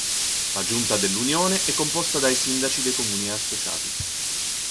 La Giunta dell'Unione è composta dai sindaci dei comuni associati.